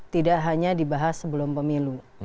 tidak hanya dibahas sebelum pemilu